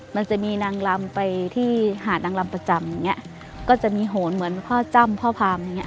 มันจะมีนางลำไปที่หาดนางลำประจำอย่างเงี้ยก็จะมีโหนเหมือนพ่อจ้ำพ่อพามอย่างเงี